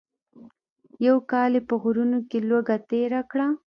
یو کال یې په غرونو کې لوږه تېره کړه.